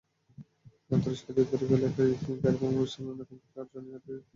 তুরস্কের দিয়ারবাকির এলাকায় গাড়িবোমা বিস্ফোরণে কমপক্ষে আটজন নিহত এবং কয়েকজন আহত হয়েছেন।